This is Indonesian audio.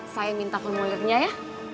saya minta formulirnya ya